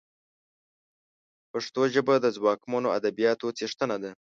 پښتو ژبه د ځواکمنو ادبياتو څښتنه ده